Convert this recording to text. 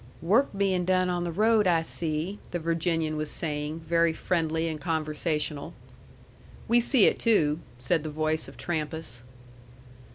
"Work bein' done on the road, I see," the Virginian was saying, very friendly and conversational. "We see it too," said the voice of Trampas.